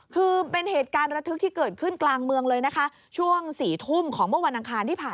คือเป็นเหตุการณ์ระทึกที่เกิดขึ้นกลางเมืองเลยนะคะ